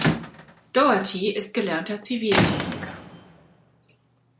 Doherty ist gelernter Ziviltechniker.